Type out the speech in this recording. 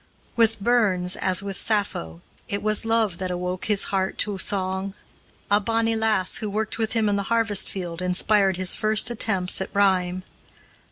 With Burns, as with Sappho, it was love that awoke his heart to song. A bonny lass who worked with him in the harvest field inspired his first attempts at rhyme.